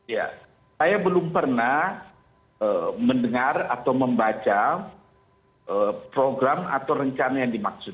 ya saya belum pernah mendengar atau membaca program atau rencana yang dimaksud